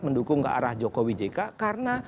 mendukung ke arah jokowi jk karena